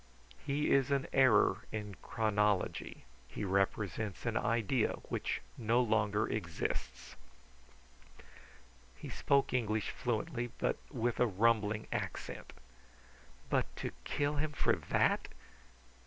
"He is an error in chronology. He represents an idea which no longer exists." He spoke English fluently, but with a rumbling accent. "But to kill him for that!"